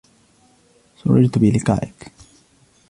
سررت بلقائک.